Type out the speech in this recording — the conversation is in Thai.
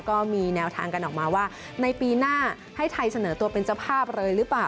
ก็มีแนวทางกันออกมาว่าในปีหน้าให้ไทยเสนอตัวเป็นเจ้าภาพเลยหรือเปล่า